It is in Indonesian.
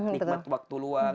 nikmat waktu luang